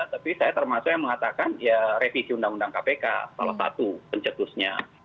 tapi saya termasuk yang mengatakan ya revisi undang undang kpk salah satu pencetusnya